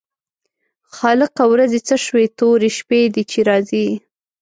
خالقه ورځې څه شوې تورې شپې دي چې راځي.